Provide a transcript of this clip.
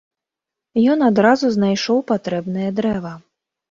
Ён адразу знайшоў патрэбнае дрэва.